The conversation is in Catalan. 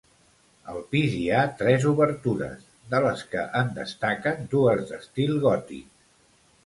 Al pis hi ha tres obertures, de les que en destaquen dues d'estil gòtic.